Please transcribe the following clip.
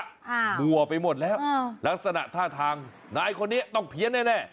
อ้าวมั่วไปหมดแล้วลักษณะท่าทางนายคนนี้ต้องเพียรแน่